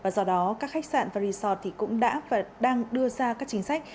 do đó các khách sạn và resort cũng đã và đang đưa ra các chính sách